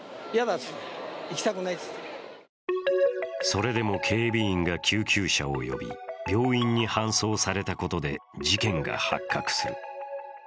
それでも警備員が救急車を呼び病院に搬送されたことで事件が発覚する。